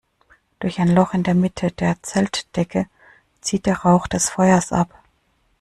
Durch ein Loch in der Mitte der Zeltdecke zieht der Rauch des Feuers ab.